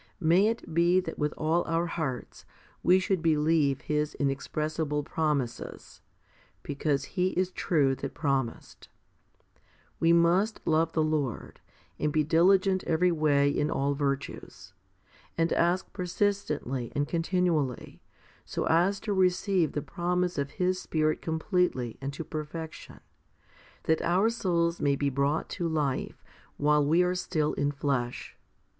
May it be that with all our hearts we should believe His inexpressible promises, be cause He is true that promised. 2 We must love the Lord, and be diligent every way in all virtues, and ask persistently and continually, so as to receive the promise of His Spirit completely and to perfection, that our souls may be brought to life while we are still in flesh.